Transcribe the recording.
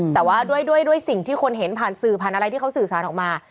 แต่ว่าด้วยสิ่งที่คนเห็นผ่านสื่อผ่านอะไรที่เขาสื่อสารออกมา